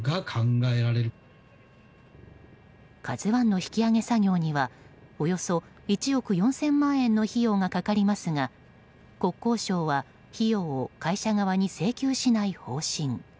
「ＫＡＺＵ１」の引き揚げ作業にはおよそ１億３０００万円の費用が掛かりますが国交省は費用を会社側に請求しない方針。